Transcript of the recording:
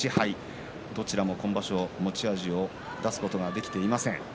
どちらも今場所、持ち味を出すことができていません。